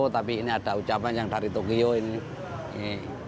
tapi ini ada ucapan yang dari tokyo ini